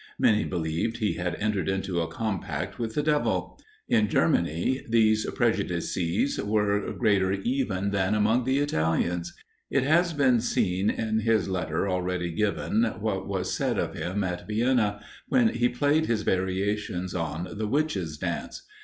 Many believed he had entered into a compact with the devil. In Germany these prejudices were greater even than among the Italians. It has been seen in his letter already given what was said of him at Vienna, when he played his variations on the "Witches' Dance."